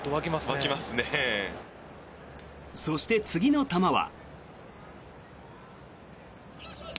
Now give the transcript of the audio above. そして、次の球は。